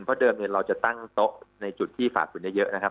เพราะเดิมเนี่ยเราจะตั้งโต๊ะในจุดที่ฝากอยู่ในเยอะนะครับ